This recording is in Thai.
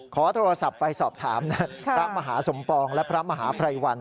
ขอโทรศัพท์ไปสอบถามนะพระมหาสมปองและพระมหาภัยวัน